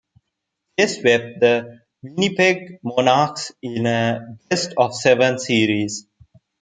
They swept the Winnipeg Monarchs in a best-of-seven series.